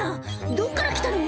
どっから来たの？